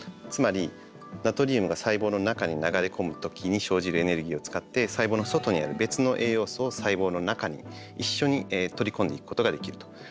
つまりナトリウムが細胞の中に流れ込む時に生じるエネルギーを使って細胞の外にある別の栄養素を細胞の中に一緒に取り込んでいくことができると。